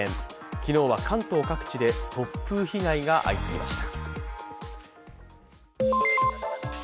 昨日は関東各地で突風被害が相次ぎました。